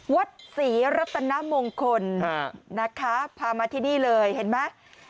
วัดศรีรัตนมงคลนะคะพามาที่นี่เลยเห็นไหม